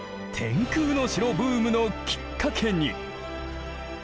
天空の城ブームのきっかけに。